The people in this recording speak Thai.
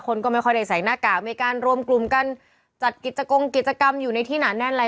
คนก็ไม่ค่อยได้ใส่หน้ากากมีการรวมกลุ่มกันจัดกิจกงกิจกรรมอยู่ในที่หนาแน่นอะไร